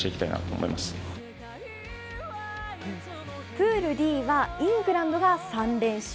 プールＤはイングランドが３連勝。